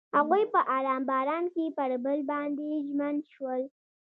هغوی په آرام باران کې پر بل باندې ژمن شول.